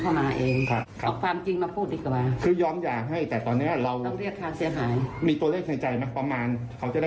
ทำไมต้องไม่พูดความจริงทำไมต้องโกหกทำไมต้องอะไรใหม่มีอะไรก็พูดกันตรง